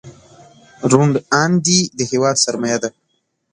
روڼ اندي د هېواد سرمایه ده.